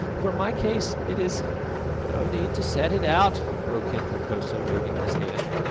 For my case, it is " "No need to set it out," broke in Hokosa, waving his hand.